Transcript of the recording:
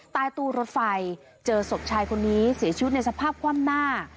ใต้ตู้รถไฟเจอศพชายคนนี้เสียชีวิตในสภาพคว่ำหน้า